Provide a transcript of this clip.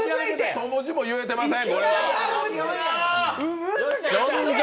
１文字も言えてません。